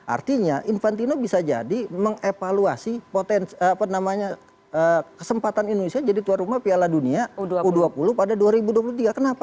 artinya infantino bisa jadi mengevaluasi potensi kesempatan indonesia jadi tuan rumah piala dunia u dua puluh pada dua ribu dua puluh tiga kenapa